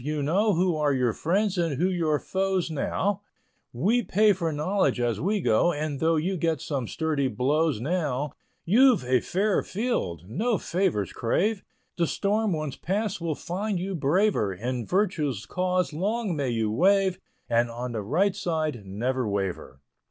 You know Who are your friends and who your foes now; We pay for knowledge as we go; And though you get some sturdy blows now, You've a fair field, no favors crave, The storm once passed will find you braver, In virtue's cause long may you wave, And on the right side, never waver.